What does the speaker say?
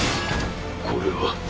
これは。